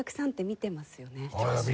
見てますよ。